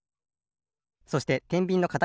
そしててんびんのかた